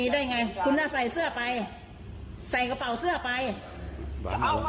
ดึงกุญแจทางกุญแจรถ